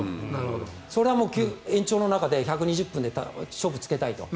それは延長の中で１２０分の中で勝負つけたいと。